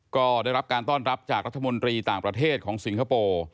ก็ได้รับการต้อนรับจากรัฐมนตรีต่างประเทศของสิงคโปร์